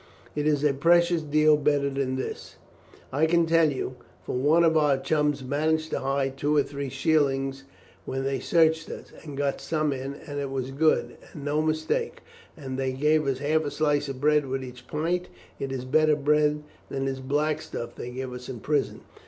It is a precious deal better than this, I can tell you; for one of our chums managed to hide two or three shillings when they searched us, and got some in, and it was good, and no mistake; and they give half a slice of bread with each pint. It is better bread than this black stuff they give us in prison.